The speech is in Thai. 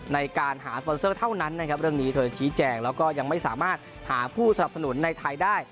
ในการหาสปอนเซอร์เท่านั้นนะครับเรื่องนี้เธอชี้แจงแล้วก็ยังไม่สามารถหาผู้สนับสนุนในไทยได้